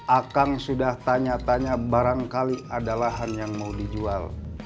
akang sudah tanya tanya barangkali ada lahan yang mau dijual